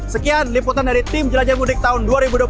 sekian liputan dari tim jelajah mudik tahun dua ribu dua puluh